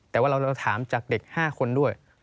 แต่ว่าเราถามจากเด็ก๕คนด้วย